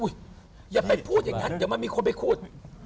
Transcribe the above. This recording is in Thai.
อย่าไปพูดอย่างนั้นเดี๋ยวมันมีคนไปพูด